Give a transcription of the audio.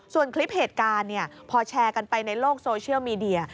ส่วนคลิปเหตุการณ์พอแชร์กันไปในโลกโซเชียลมีเดีย